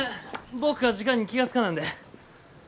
僕が時間に気が付かなんで。